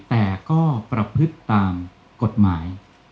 แต่ก็ประพฤติตามกฎหมาย